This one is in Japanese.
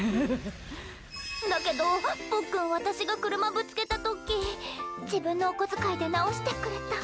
だけど、ポッ君私が車ぶつけた時自分のお小遣いで直してくれた。